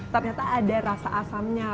ternyata ada rasa asamnya